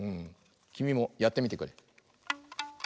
きみもやってみてくれ。